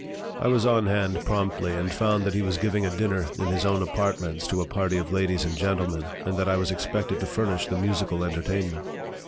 I was on hand promptly and found that he was giving a dinner in his own apartments to a party of ladies and gentlemen and that I was expected to furnish the musical entertainment.